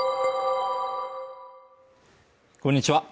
こんにちは